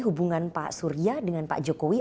hubungan pak surya dengan pak jokowi